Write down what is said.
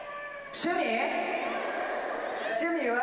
趣味？